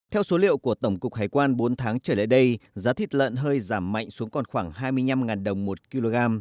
theo số liệu của tổng cục hải quan bốn tháng trở lại đây giá thịt lợn hơi giảm mạnh xuống còn khoảng hai mươi năm đồng một kg